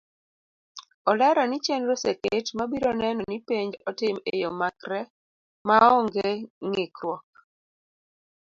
Olero ni chenro oseket mabiro neno ni penj otim eyo makre maonge ngikruok.